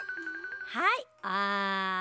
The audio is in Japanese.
はいあん。